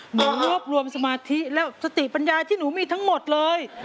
หมอรวบรวมสมาธิและสติปัญญาที่หนูมีทั้งหมดเลย